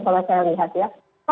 kalau saya lihat ya